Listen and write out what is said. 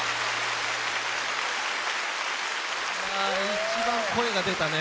一番声が出たね。